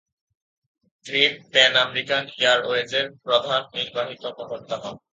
Trip Pan American এয়ারওয়েজের প্রধান নির্বাহী কর্মকর্তা হন।